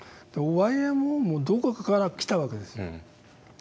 ＹＭＯもどこかから来たわけですよ。